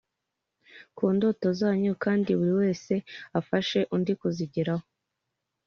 ku ndoto zanyu kandi buri wese afashe undi kuzigeraho.